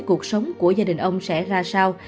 cuộc sống của gia đình ông sẽ ra sao